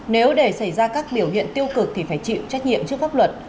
nếu để xảy ra các biểu hiện tiêu cực thì phải chịu trách nhiệm trước pháp luật